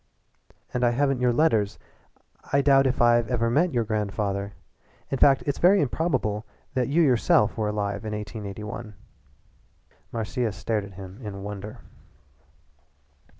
"And I haven't your letters. I doubt if I've ever met your grandfather. In fact, I think it very improbable that you yourself were alive in 1881." Marcia stared at him in wonder.